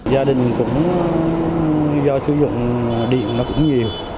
gia đình cũng do sử dụng điện nó cũng nhiều